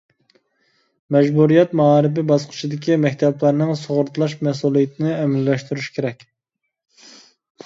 مەجبۇرىيەت مائارىپى باسقۇچىدىكى مەكتەپلەرنىڭ سۇغۇرتىلاش مەسئۇلىيىتىنى ئەمەلىيلەشتۈرۈش كېرەك.